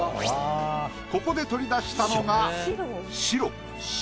ここで取り出したのが白。